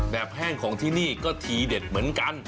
แห้งของที่นี่ก็ทีเด็ดเหมือนกัน